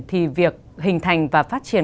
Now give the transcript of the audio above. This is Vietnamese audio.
thì việc hình thành và phát triển